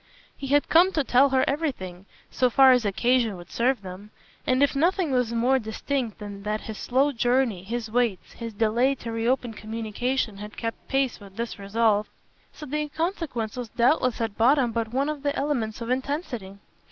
He had come to tell her everything, so far as occasion would serve them; and if nothing was more distinct than that his slow journey, his waits, his delay to reopen communication had kept pace with this resolve, so the inconsequence was doubtless at bottom but one of the elements of intensity.